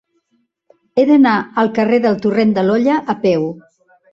He d'anar al carrer del Torrent de l'Olla a peu.